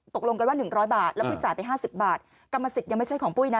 ตกลงกันว่า๑๐๐บาทแล้วปุ้ยจ่ายไป๕๐บาทกรรมสิทธิ์ยังไม่ใช่ของปุ้ยนะ